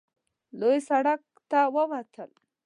لوی سړک ته ووتل.